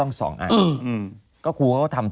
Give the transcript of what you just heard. ก็เท่ากับว่า